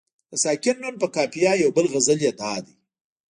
د ساکن نون په قافیه یو بل غزل یې دادی.